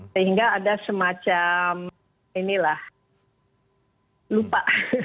sehingga ada semacam inilah lupa